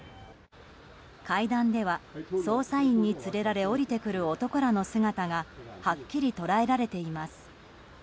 階段では、捜査員に連れられ下りてくる男らの姿がはっきり捉えられています。